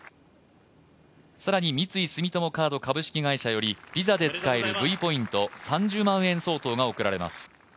更に、三井住友カード株式会社より、ＶＩＳＡで使えるＶポイント３０万円相当が贈られます